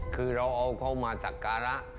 คือเราเอาเขามาสักการะ